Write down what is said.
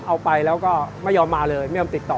เอาไปแล้วก็ไม่ยอมมาเลยไม่ยอมติดต่อ